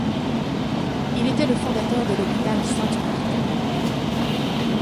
Il était le fondateur de l'hôpital Sainte-Marthe.